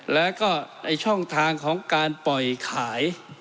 แล้วก็ในช่องทางของการปล่อยขาย